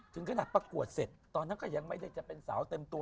ถึงขนาดประกวดเสร็จตอนนั้นก็ยังไม่ได้จะเป็นสาวเต็มตัว